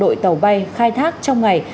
đội tàu bay khai thác trong ngày